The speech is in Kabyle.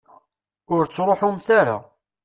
Ur ttruḥumt ara.